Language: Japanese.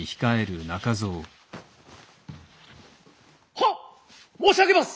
「はっ申し上げます！」。